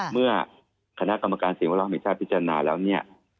เมื่อคณะกรรมการสิ่งแวดล้อมแห่งชาติพิจารณาแล้วเนี่ย